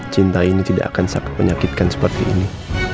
cinta ini tidak akan menyakitkan seperti ini